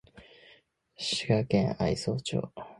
滋賀県愛荘町